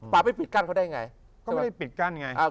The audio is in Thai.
ป่าไปปิดกั้นเขาได้ยังไง